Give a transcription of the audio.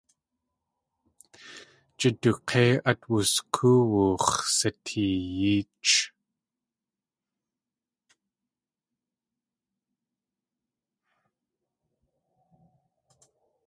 Jiduk̲éi at wuskóowux̲ sateeyéech.